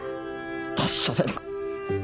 達者でな。